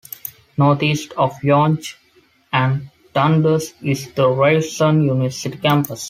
Northeast of Yonge and Dundas is the Ryerson University campus.